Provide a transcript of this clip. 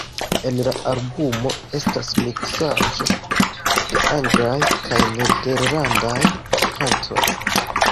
En la albumo estas miksaĵo de anglaj kaj nederlandaj kantoj.